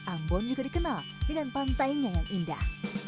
ambon juga dikenal dengan pantainya yang indah